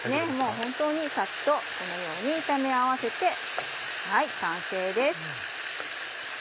ホントにサッとこのように炒め合わせて完成です。